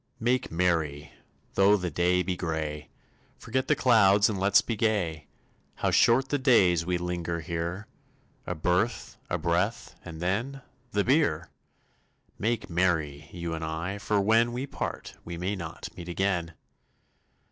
Make merry! Though the day be gray Forget the clouds and let's be gay! How short the days we linger here: A birth, a breath, and then the bier! Make merry, you and I, for when We part we may not meet again!